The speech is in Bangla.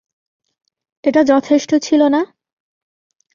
এটা যথেষ্ট ছিল না?